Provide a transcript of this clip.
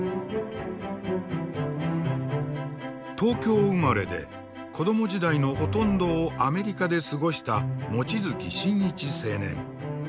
東京生まれで子ども時代のほとんどをアメリカで過ごした望月新一青年。